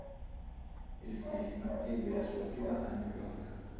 Il film ebbe la sua prima a New York.